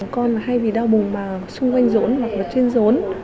con hay bị đau bụng mà xung quanh rốn hoặc là trên rốn